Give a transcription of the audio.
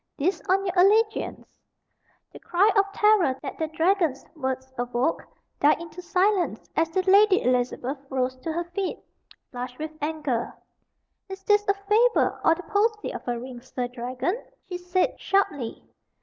This on your allegiance!" (1) Haled dragged, forcibly conveyed. The cry of terror that the dragon's words awoke, died into silence as the Lady Elizabeth rose to her feet, flushed with anger. "Is this a fable or the posy of a ring, Sir Dragon?" she said, sharply.